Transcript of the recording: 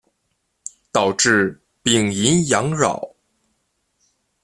导致丙寅洋扰。